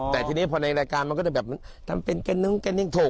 แต่ทีนี้พอในรายการมันก็จะแบบทำเป็นกระนึ้งถูก